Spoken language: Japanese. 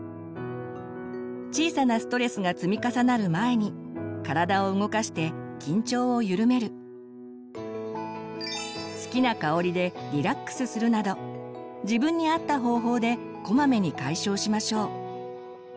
小さなストレスが積み重なる前に体を動かして緊張をゆるめる好きな香りでリラックスするなど自分に合った方法でこまめに解消しましょう。